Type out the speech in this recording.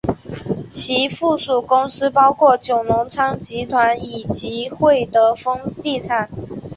其附属公司包括九龙仓集团以及会德丰地产。